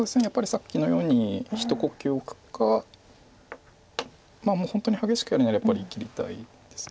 さっきのように一呼吸置くかまあ本当に激しくやるならやっぱり切りたいです。